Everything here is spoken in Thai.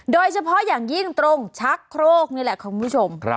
โดยเฉพาะอย่างยิ่งตรงชักโครกนี่แหละคุณผู้ชม